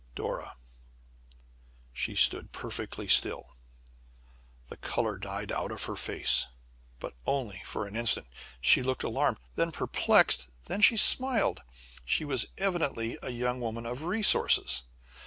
"Dora!" She stood perfectly still. The color died out of her face; but only for an instant. She looked alarmed, then perplexed, and then she smiled. She was evidently a young woman of resources.